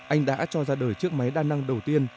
anh đã cho ra đời chiếc máy đa năng đầu tiên